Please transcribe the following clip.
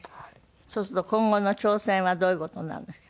そうすると今後の挑戦はどういう事になるんですか？